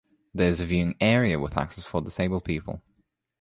There is a viewing area with access for disabled people.